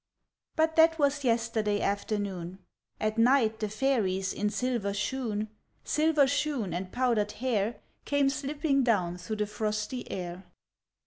But that was yesterday afternoon : At night the fairies in silver shoon, Sliver shoon and powdered hair, Came slipping down through the frosty air.